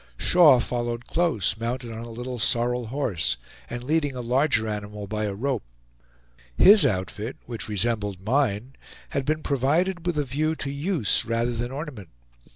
Shaw followed close, mounted on a little sorrel horse, and leading a larger animal by a rope. His outfit, which resembled mine, had been provided with a view to use rather than ornament.